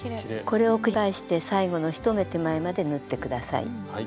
これを繰り返して最後の１目手前まで縫って下さい。